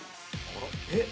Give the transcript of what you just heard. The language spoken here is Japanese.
えっ？